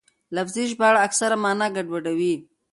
لفظي ژباړه اکثره مانا ګډوډوي.